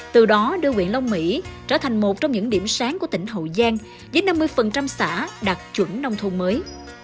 từ đó đưa nguyện long mỹ trở thành một trong những điểm sáng của tỉnh hậu giang với năm mươi xã đạt chuẩn nông thôn mới